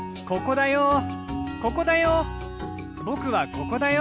ここだよ